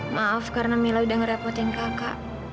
maaf karena mila udah ngerepotin kakak